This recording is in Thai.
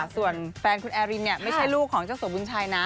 ส่วนแฟนคุณแอรินไม่ใช่ลูกของเจ้าสัวบุญชัยนะ